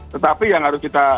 tetapi yang harus kita